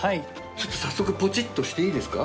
ちょっと早速ポチッとしていいですか？